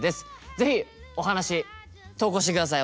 是非お話投稿してください。